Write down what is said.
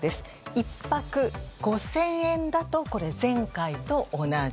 １泊５０００円だと前回と同じ。